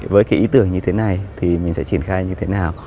với cái ý tưởng như thế này thì mình sẽ triển khai như thế nào